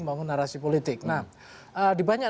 bangun narasi politik nah di banyak